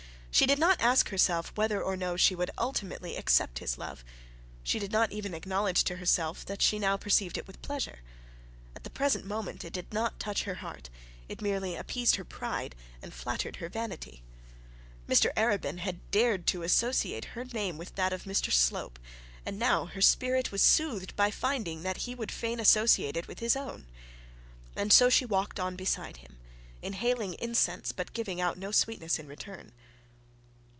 She did not ask herself whether or no she would ultimately accept his love. She did not even acknowledge to herself that she now perceived it with pleasure. At the present moment it did not touch her heart; it merely appeased her pride and flattered her vanity. Mr Arabin had dared to associate her name with that of Mr Slope, and now her spirit was soothed by finding that he would fain associate it with his own. And so she walked on beside him inhaling incense, but giving out no sweetness in return.